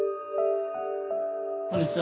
こんにちは。